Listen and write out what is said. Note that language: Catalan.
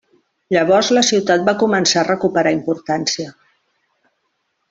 Llavors la ciutat va començar a recuperar importància.